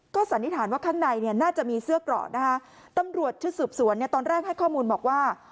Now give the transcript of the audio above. สันนิษฐานว่าข้างในเนี่ยน่าจะมีเสื้อเกราะนะคะตำรวจชุดสืบสวนเนี่ยตอนแรกให้ข้อมูลบอกว่า